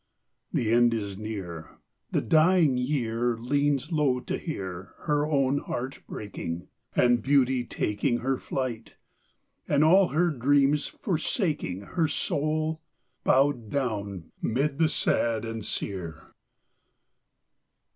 The end is near: The dying Year Leans low to hear Her own heart breaking, And Beauty taking Her flight, and all her dreams forsaking Her soul, bowed down 'mid the sad and sere.